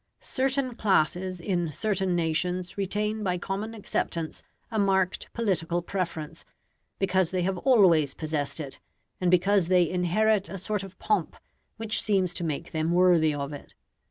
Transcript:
Certain classes in certain nations retain by common acceptance a marked political preference, because they have always possessed it, and because they inherit a sort of pomp which seems to make them worthy of it.